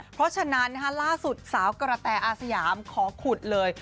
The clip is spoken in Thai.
เพราะฉะนั้นล่าสุดสาวกระแตอาสยามขอขุดเลย